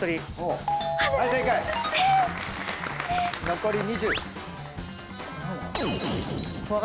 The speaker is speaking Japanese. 残り２０。